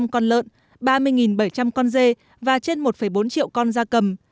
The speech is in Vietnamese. một trăm sáu mươi ba hai trăm linh con lợn ba mươi bảy trăm linh con dê và trên một bốn triệu con da cầm